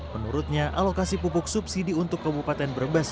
menurutnya alokasi pupuk subsidi untuk kebupaten berbas